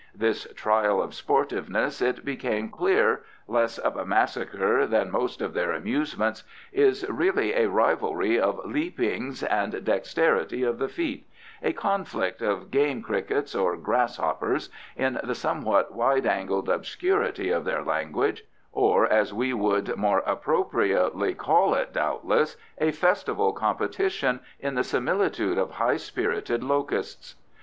This trial of sportiveness, it became clear, less of a massacre than most of their amusements is really a rivalry of leapings and dexterity of the feet: a conflict of game crickets or grass hoppers, in the somewhat wide angled obscurity of their language, or, as we would more appropriately call it doubtless, a festive competition in the similitude of high spirited locusts.